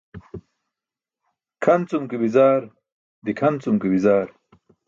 Kʰan cum ke bi̇zaar, dikʰan cum ke bi̇zaar.